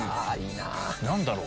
何だろう？